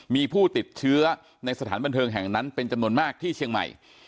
มีผู้ติดเชื้อในสถานบันเทิงแห่งนั้นเป็นจำนวนมากที่เชียงใหม่